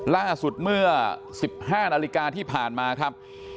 ล่าสุดเมื่อ๑๕นาฬิกาที่ผ่านมาครับ